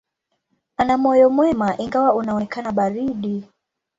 Ana moyo mwema, ingawa unaonekana baridi.